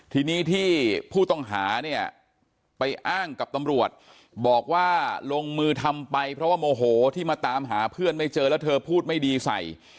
ทีนี้ที่ผู้ต้องหาเนี่ยไปอ้างกับตำรวจบอกว่าลงมือทำไปเพราะว่าโมโหที่มาตามหาเพื่อนไม่เจอแล้วเธอพูดไม่ดีใส่